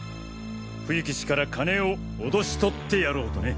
冬木氏から金を脅し取ってやろうとね。